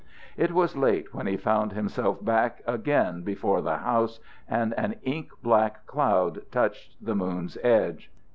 It was late when he found himself back again before the house, and an ink black cloud touched the moon's edge.